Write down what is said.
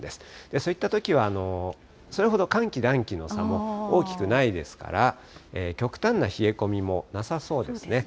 そういったときは、それほど寒気、暖気の差も大きくないですから、極端な冷え込みもなさそうですね。